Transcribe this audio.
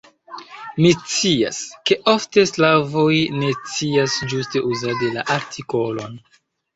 Mi scias, ke ofte slavoj ne scias ĝuste uzadi la artikolon.